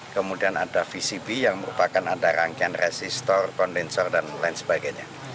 kemudian ada vcb yang merupakan ada rangkaian resistor kondensor dan lain sebagainya